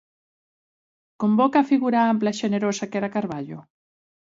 Convoca a figura ampla e xenerosa que era Carballo?